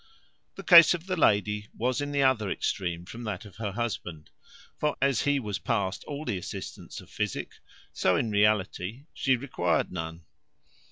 The case of the lady was in the other extreme from that of her husband: for as he was past all the assistance of physic, so in reality she required none.